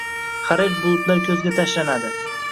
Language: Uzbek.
Harir bulutlar ko’zga tashlanadi.